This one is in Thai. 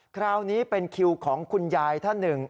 คราวนี้เป็นคิวของคุณยายท่านหนึ่ง